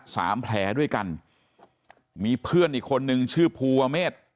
สามแผลด้วยกันมีเพื่อนอีกคนนึงชื่อภูวะเมษ